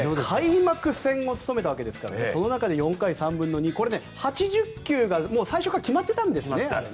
開幕戦を務めたわけですからその中で４回３分の２これは８０球が最初から決まっていたんですね。